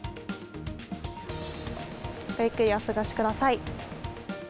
ごゆっくりお過ごしください。